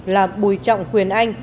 là bùi trọng huyền anh